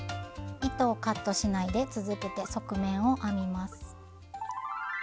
糸をカットしないで続けて側面を編みます。